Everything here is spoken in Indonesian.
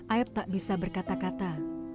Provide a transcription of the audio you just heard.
aib tak bisa berkata kata